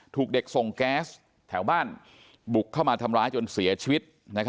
ถูกเด็กส่งแก๊สแถวบ้านบุกเข้ามาทำร้ายจนเสียชีวิต